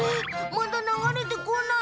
まだ流れてこない。